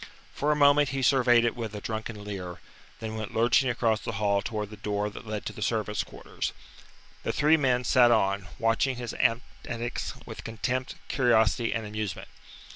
For a moment he surveyed it with a drunken leer, then went lurching across the hall towards the door that led to the servants' quarters. The three men sat on, watching his antics in contempt, curiosity, and amusement.